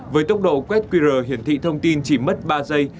với tốc độ quét qr hiển thị thông tin chỉ mất ba giây